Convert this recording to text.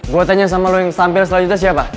gua tanya sama lu yang tampil selanjutnya siapa